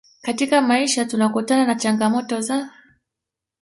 katika maisha tunakutana na changamoto za